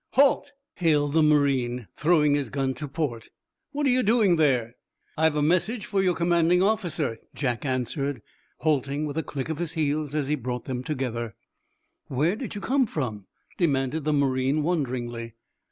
"Halt!" hailed the marine, throwing his gun to port. "What are you doing there?" "I've a message for your commanding officer," Jack answered, halting with a click of his heels as he brought them together. "Where did you come from?" demanded the marine, wonderingly.